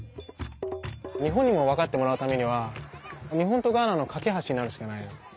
日本にも分かってもらうためには日本とガーナの架け橋になるしかないの。